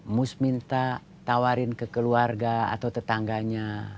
mus minta tawarin ke keluarga atau tetangganya